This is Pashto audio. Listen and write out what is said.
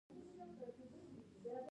افغانستان د هلمند سیند کوربه دی.